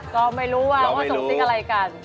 ก็ไม่รู้ว่าสมทิศอะไรกัน